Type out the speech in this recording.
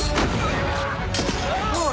おい。